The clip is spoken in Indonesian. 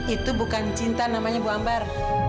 itu bukan cinta namanya ibu ambar